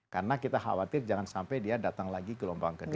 karena kita khawatir jangan sampai dia datang lagi ke lombang kedua